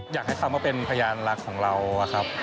อยากให้คำว่าเป็นพยานรักของเรา